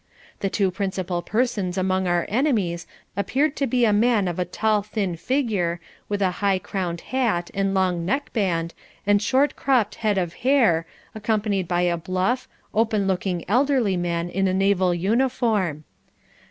The two principal persons among our enemies appeared to be a man of a tall thin figure, with a high crowned hat and long neckband, and short cropped head of hair, accompanied by a bluff, open looking elderly man in a naval uniform.